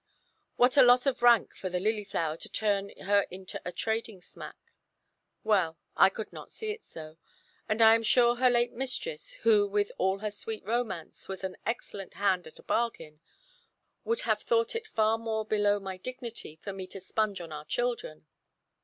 What a loss of rank for the "Lilyflower," to turn her into a trading smack! Well, I could not see it so; and I am sure her late mistress, who with all her sweet romance was an excellent hand at a bargain, would have thought it far more below my dignity for me to sponge on our children.